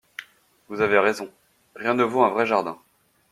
Vous avez raison, rien ne vaut un vrai jardin.